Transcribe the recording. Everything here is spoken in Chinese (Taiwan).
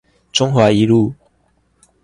中華一路